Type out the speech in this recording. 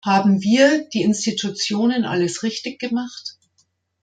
Haben wir, die Institutionen, alles richtig gemacht?